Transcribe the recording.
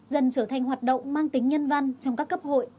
dần trở thành hoạt động mang tính nhân văn trong các cấp hội và hội viên